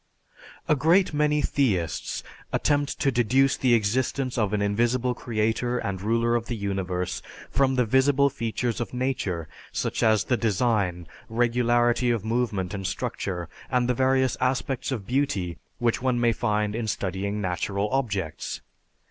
"_) A great many theists attempt to deduce the existence of an invisible creator and ruler of the universe from the visible features of nature such as the design, regularity of movement and structure, and the various aspects of beauty which one may find in studying natural objects.